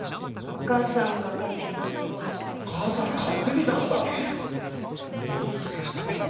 お母さんが勝手に応募した。